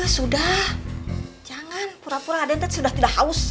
sudah jangan pura pura aden teteh sudah tidak haus